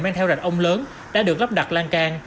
mang theo rạch ông lớn đã được lắp đặt lan can